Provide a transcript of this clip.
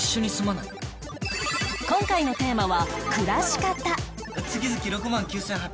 今回のテーマは